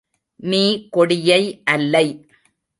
நீ கொடியை அல்லை.